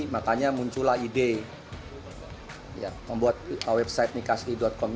makanya muncullah ide membuat website nikahsi com